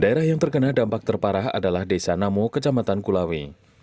daerah yang terkena dampak terparah adalah desa namo kecamatan kulawe